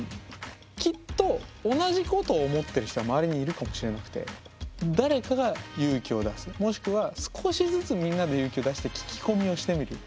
きっと同じことを思ってる人は周りにいるかもしれなくて誰かが勇気を出すもしくは少しずつみんなで勇気を出して聞き込みをしてみる。